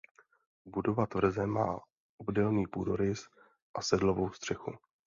Budova tvrze má obdélný půdorys a sedlovou střechu.